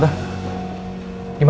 sekarang mau jadi ibu